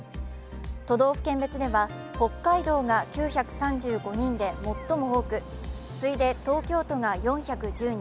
都道府県別では北海道が９３５人で最も多く次いで東京都が４１０人